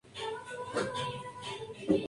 Finalizó el año quinto.